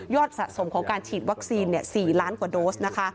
สะสมของการฉีดวัคซีน๔ล้านกว่าโดสนะคะ